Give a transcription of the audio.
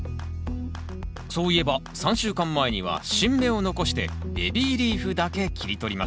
そういえば３週間前には新芽を残してベビーリーフだけ切り取りましたね